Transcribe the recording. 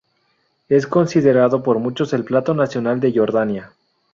Es considerado por muchos el plato nacional de Jordania.